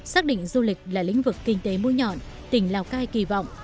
sắc định du lịch là lĩnh vực kinh tế mũ nhọn tỉnh lào cai kỳ vọng